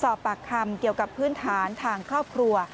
สอบปากคำเกี่ยวกับพื้นฐานทางครอบครัว